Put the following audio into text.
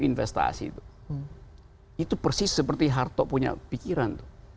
investasi itu persis seperti harto punya pikiran